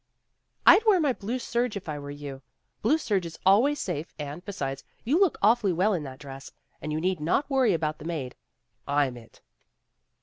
"I'd wear my blue serge, if I were you. Blue serge is always safe and, besides, you look awfully well in that dress. And you need not worry about the maid. I'm it."